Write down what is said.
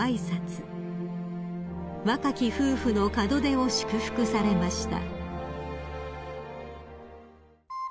［若き夫婦の門出を祝福されました］